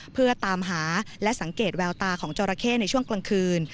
เพื่อตามหาและสังเกตแววตาของจอราเข้ในช่วงกลางคืน